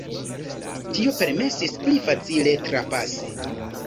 Tio permesis pli facile trapasi.